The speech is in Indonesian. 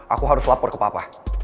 aku harus lapor ke papa